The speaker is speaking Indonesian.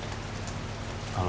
pasti tadi takut ya